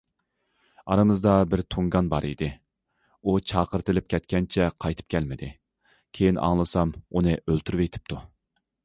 ئارىمىزدا بىر تۇڭگان بار ئىدى، ئۇ چاقىرتىلىپ كەتكەنچە قايتىپ كەلمىدى، كېيىن ئاڭلىسام ئۇنى ئۆلتۈرۈۋېتىپتۇ.